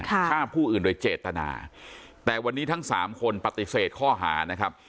ฆ่าผู้อื่นโดยเจตนาแต่วันนี้ทั้งสามคนปฏิเสธข้อหานะครับ